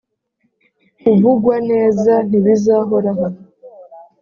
Kuvugwa neza ntibizahoraho